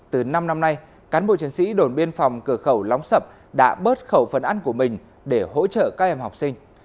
từ năm năm nay cán bộ chiến sĩ đồn biên phòng cửa khẩu lóng sập đã bớt khẩu phần ăn của mình để hỗ trợ các em học sinh